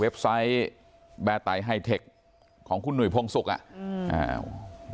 ไซต์แบร์ไตเทคของคุณหนุ่ยพงศุกร์อ่ะอืมอ่า